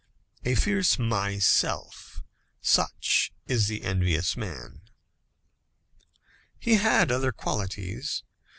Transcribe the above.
A fierce Myself, such is the envious man. He had other qualities.